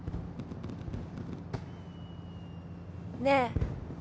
ねえ？